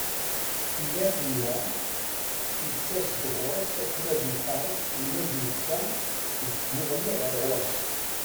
Tella tenwa yettas-d ɣur-s akken ad ifares ula d netta deg tmuɣli ɣer ɣur-s.